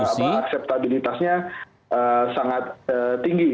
mengingatkan akseptabilitasnya sangat tinggi